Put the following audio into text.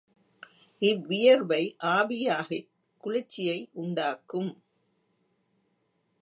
இவ்வியர்வை ஆவியாகிக் குளிர்ச்சியை உண்டாக்கும்.